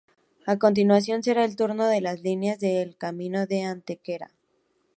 A continuación será el turno de las líneas del Camino de Antequera.